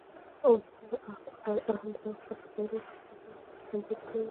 اوس هر اهل ذوق کس کولی شي په ساعتونو کې خپل کمپوز ولري.